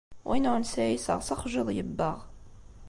Win ur nesɛi iseɣ, s axjiḍ yebbeɣ.